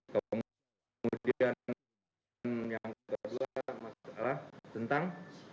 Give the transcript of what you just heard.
kemudian yang kedua masalah tentang